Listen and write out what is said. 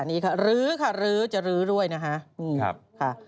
นี่ค่ะลื้อค่ะรื้อจะรื้อด้วยนะคะ